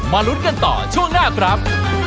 ลุ้นกันต่อช่วงหน้าครับ